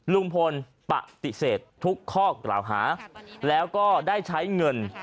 ลุงพลปฏิเสธทุกข้อกล่าวหาแล้วก็ได้ใช้เงิน